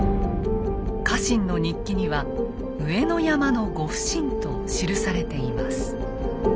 家臣の日記には「上之山之御普請」と記されています。